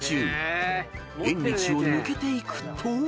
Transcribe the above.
［縁日を抜けていくと］